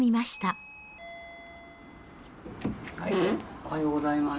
おはようございます。